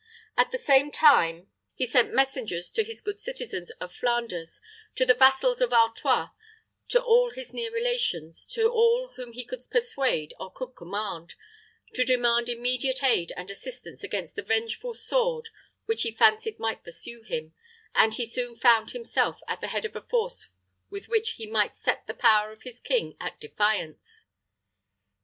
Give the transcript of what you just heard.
At the same time, he sent messengers to his good citizens of Flanders, to his vassals of Artois, to all his near relations, to all whom he could persuade or could command, to demand immediate aid and assistance against the vengeful sword which he fancied might pursue him, and he soon found himself at the head of a force with which he might set the power of his king at defiance.